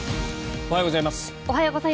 おはようございます。